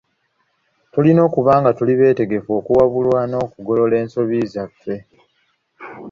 Tulina okuba nga tuli beetegefu okuwabulwa, n'okugolola ensobi zaffe.